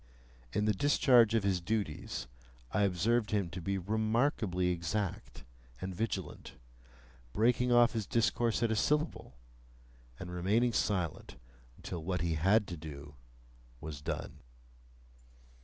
In the discharge of his duties, I observed him to be remarkably exact and vigilant, breaking off his discourse at a syllable, and remaining silent until what he had to do was done.